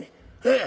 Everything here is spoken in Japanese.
ええ。